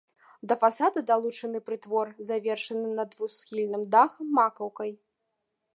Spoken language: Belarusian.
Да фасада далучаны прытвор, завершаны над двухсхільным дахам макаўкай.